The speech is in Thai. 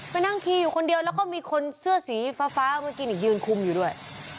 ไปนั่งครีอยู่คนเดียวแล้วก็มีคนก์เสื้อสีฟ้ามันกินอีกยืนคุมอยู่ด้วย